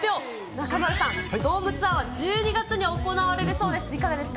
中丸さん、ドームツアーを１２月に行われるそうです、いかがですか？